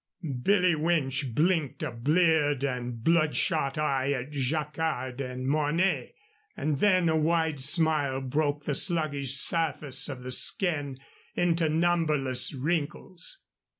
Billy Winch blinked a bleared and bloodshot eye at Jacquard and Mornay, and then a wide smile broke the sluggish surface of the skin into numberless wrinkles.